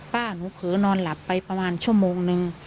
ป้าหนูเผลอนอนหลับไปประมาณชั่วโมงนึง